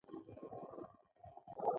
تمرین ضروري دی.